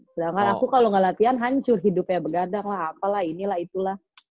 sedangkan aku kalo gak latihan hancur hidupnya begadang lah apalah inilah itulah